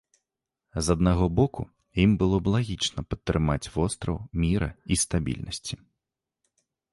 З аднаго боку, ім было б лагічна падтрымаць востраў міра і стабільнасці.